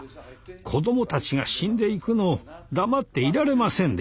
子供たちが死んでいくのを黙っていられませんでした。